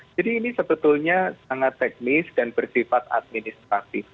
jadi ini sebetulnya sangat teknis dan bersifat administratif